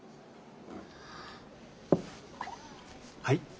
はい。